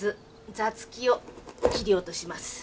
座付きを切り落とす。